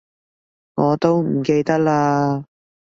我都唔記得喇